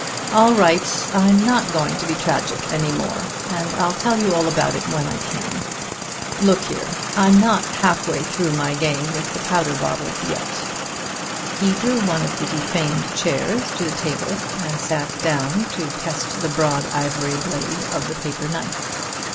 "All right I'm not going to be tragic any more, and I'll tell you all about it when I can. Look here, I'm not half through my game with the powder bottles yet." He drew one of the defamed chairs to the table and sat down to test the broad ivory blade of the paper knife.